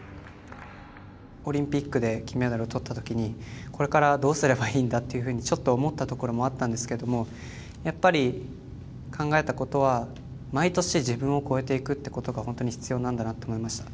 オリンピックで金メダルをとったときにこれからどうすればいいんだとちょっと思ったところもあったんですけどもやっぱり考えたことは毎年、自分を超えていくことが本当に必要なんだなと思いました。